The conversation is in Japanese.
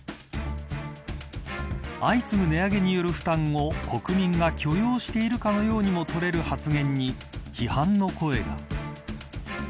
相次ぐ値上げによる負担を国民が許容しているかのようにも取れる発言に批判の声が。